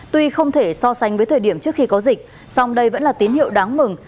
tuy không thể so sánh với thời điểm trước khi có dịch song đây vẫn là tín hiệu đáng mừng